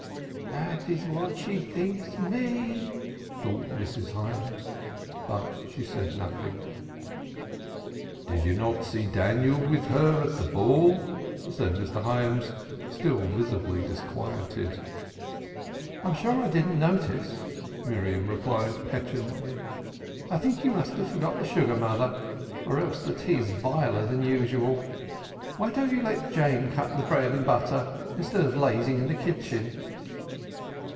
"That is what she thinks me," thought Mrs. Hyams. But she said nothing. "Did you not see Daniel with her at the ball?" said Mr. Hyams, still visibly disquieted. "I'm sure I didn't notice," Miriam replied petulantly. "I think you must have forgot the sugar, mother, or else the tea is viler than usual. Why don't you let Jane cut the bread and butter instead of lazing in the kitchen?"